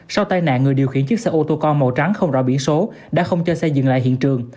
sau tai nạn người điều khiển chiếc xe ô tô con màu trắng không rõ biển số đã không cho xe dừng lại hiện trường